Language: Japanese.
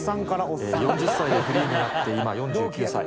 ４０歳でフリーになって、今４９歳。